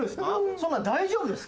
そんなん大丈夫ですか？